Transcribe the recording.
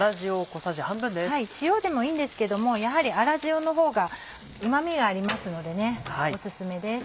塩でもいいんですけどもやはり粗塩の方がうま味がありますのでオススメです。